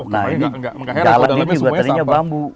nah ini galak ini juga tadinya bambu